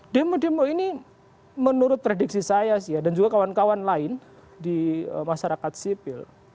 demo demo ini menurut prediksi saya dan juga kawan kawan lain di masyarakat sipil